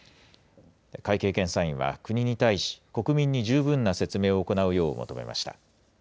会計検査院は、国に対し国民に十分な説明を行うよう求めました。